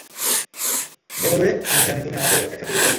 যেভাবে আমি জানি তুমি আমাদের একসাথে যেতে দেবে।